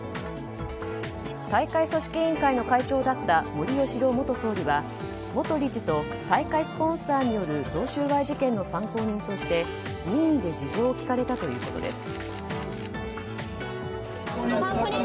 大会組織委員会の会長だった森喜朗元総理は元理事と大会スポンサーによる贈収賄事件の参考人として任意で事情を聴かれたということです。